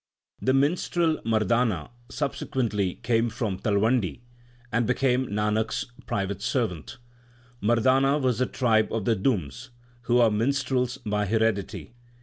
The minstrel Mardana subsequently came from Talwandi and became Nanak s private servant. Mardana was of the tribe of Dums, who are minstrels by heredity.